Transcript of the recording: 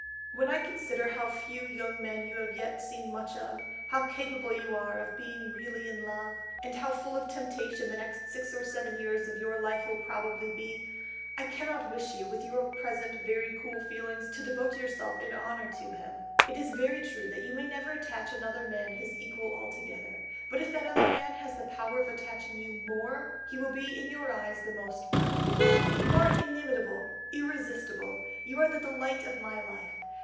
"When I consider how few young men you have yet seen much of; how capable you are of being really in love; and how full of temptation the next six or seven years of your life will probably be, I cannot wish you, with your present very cool feelings, to devote yourself in honour to him. It is very true that you never may attach another man his equal altogether; but if that other man has the power of attaching you more, he will be in your eyes the most perfect. "You are inimitable, irresistible. You are the delight of my life.